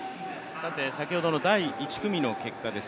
先ほどの第１組の結果です。